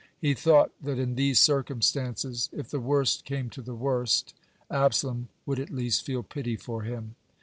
He thought that in these circumstances, if the worst came to the worst, Absalom would at least feel pity for him.